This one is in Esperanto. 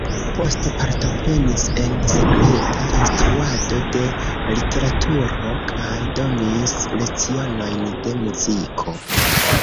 Poste partoprenis en sekreta instruado de literaturo kaj donis lecionojn de muziko.